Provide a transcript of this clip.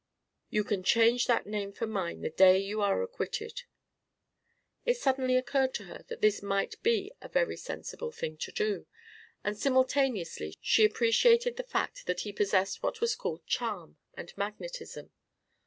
"You can change that name for mine the day you are acquitted." It suddenly occurred to her that this might be a very sensible thing to do, and simultaneously she appreciated the fact that he possessed what was called charm and magnetism.